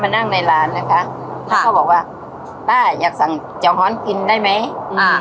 มานั่งในร้านนะคะเขาก็บอกว่าต้าอยากสั่งเจ๋งฮ้อนกินได้ไหมอืม